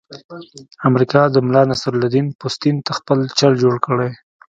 امریکا د ملانصرالدین پوستین ته چل جوړ کړی.